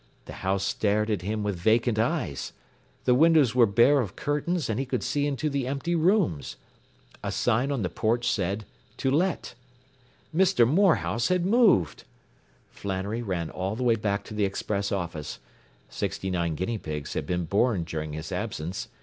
The house stared at him with vacant eyes. The windows were bare of curtains and he could see into the empty rooms. A sign on the porch said, “To Let.” Mr. Morehouse had moved! Flannery ran all the way back to the express office. Sixty nine guinea pigs had been born during his absence.